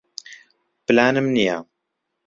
پلانم نییە.